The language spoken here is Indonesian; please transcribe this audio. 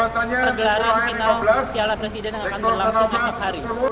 pergelaran final piala presiden yang akan berlangsung esok hari